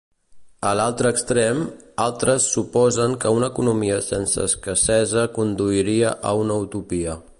A l'altre extrem, altres suposen que una economia sense escassesa conduiria a una utopia.